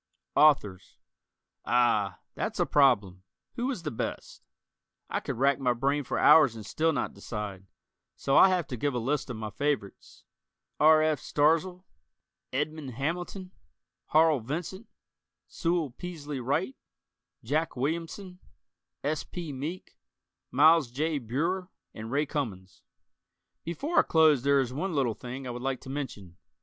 Authors: Ah, that's a problem. Who is the best? I could rack my brain for hours and still not decide, so I'll have to give a list of my favorites: R. F. Starzl, Edmond Hamilton, Harl Vincent, Sewell Peaslee Wright, Jack Williamson, S. P. Meek, Miles J. Breuer and Ray Cummings. Before I close there is one little thing I would like to mention.